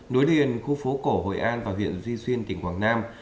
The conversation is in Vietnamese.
núi điền khu phố cổ hội an và huyện di xuyên tỉnh quảng nam